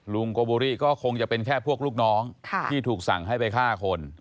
โกโบรี่ก็คงจะเป็นแค่พวกลูกน้องที่ถูกสั่งให้ไปฆ่าคน